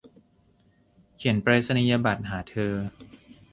เขียนไปรษณียบัตรหาเธอ